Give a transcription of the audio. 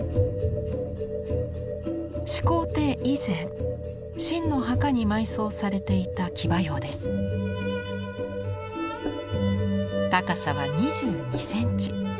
始皇帝以前秦の墓に埋葬されていた高さは２２センチ。